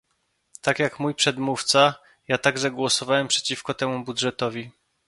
Tak jak mój przedmówca, ja także głosowałem przeciwko temu budżetowi